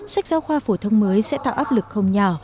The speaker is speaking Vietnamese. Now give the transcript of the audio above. sách giáo khoa phổ thông mới sẽ tạo áp lực không nhỏ